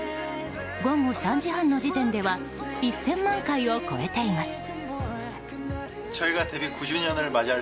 午後３時半の時点では１０００万回を超えています。